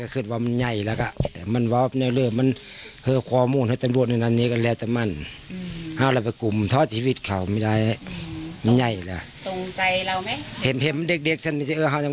เกิดเหตุลุกจริง